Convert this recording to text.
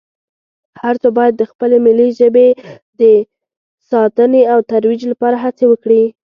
هر څو باید د خپلې ملي ژبې د ساتنې او ترویج لپاره هڅې وکړي